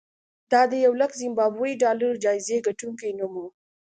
دا د یولک زیمبابويي ډالرو جایزې ګټونکي نوم و.